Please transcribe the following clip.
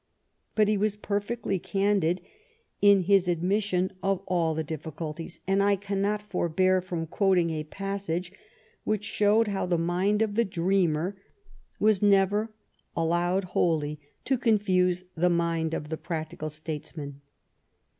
But he was perfectly can did in his admission of all the difficulties, and I cannot forbear from quoting a passage which showed how the mind of the dreamer was never allowed wholly to confuse the mind of the practical statesman.